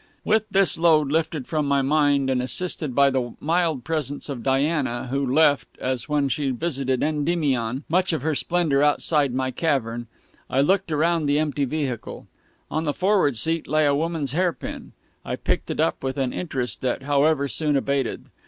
With this load lifted from my mind, and assisted by the mild presence of Diana, who left, as when she visited Endymion, much of her splendor outside my cavern I looked around the empty vehicle. On the forward seat lay a woman's hairpin. I picked it up with an interest that, however, soon abated.